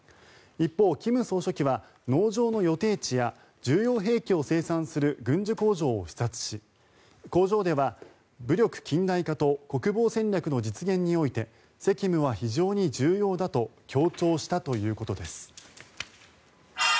一方、金総書記は農場の予定地や重要兵器を生産する軍需工場を視察し工場では武力近代化と国防戦略の実現において責務は非常に重要だと強調したということです。